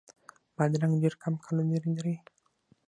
بادرنګ ډېر کم کالوري لري.